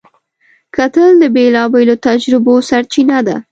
کتل د بېلابېلو تجربو سرچینه ده